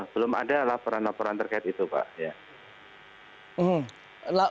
belum ada laporan laporan terkait itu pak